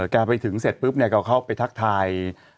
แกไปถึงเสร็จปุ๊บก็เข้าไปทักทาย